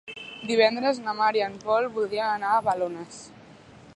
Divendres na Mar i en Pol voldrien anar a Balones.